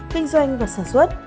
kinh doanh và sản xuất